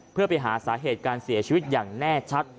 เพื่อไปหาสาเหตุการเสียชีวิตอย่างแน่ชัด